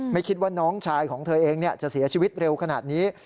ไม่คิดว่าน้องชายของเธอเองจะเสียชีวิตเร็วขนาดนี้